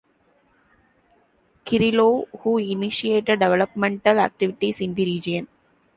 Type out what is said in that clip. Kirilov, who initiated developmental activities in the region.